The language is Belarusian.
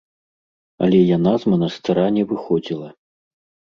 Але яна з манастыра не выходзіла.